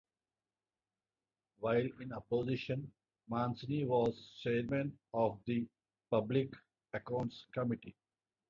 While in opposition Mancini was chairman of the Public Accounts Committee.